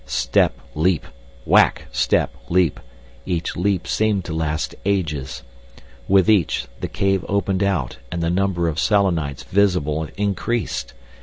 Step, leap ... whack, step, leap.... Each leap seemed to last ages. With each, the cave opened out and the number of Selenites visible increased.